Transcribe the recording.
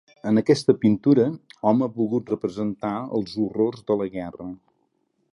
En aquesta pintura hom ha volgut representar els horrors de la guerra.